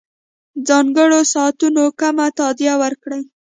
ځانګړو ساعتونو کم تادیه ورکړي.